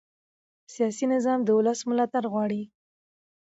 سیاسي نظام د ولس ملاتړ غواړي